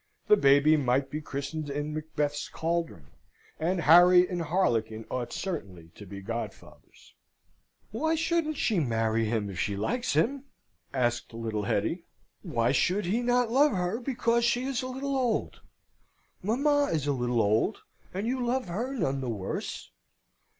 The baby might be christened in Macbeth's caldron; and Harry and harlequin ought certainly to be godfathers. "Why shouldn't she marry him if she likes him?" asked little Hetty. "Why should he not love her because she is a little old? Mamma is a little old, and you love her none the worse.